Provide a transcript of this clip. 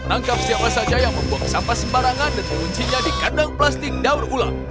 anggap siapa saja yang membuat sampah sembarangan dan menguncinya di kandang plastik daun ulang